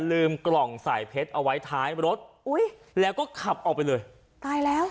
ลืมกล่องสายเพชรเอาไว้ท้ายรถอุ้ยแล้วก็ขับออกไปเลยตายแล้ว